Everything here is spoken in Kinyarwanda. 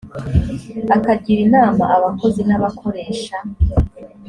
akagira inama abakozi n’abakoresha